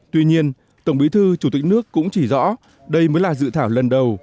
tuy nhiên tổng bí thư chủ tịch nước cũng chỉ rõ đây mới là dự thảo lần đầu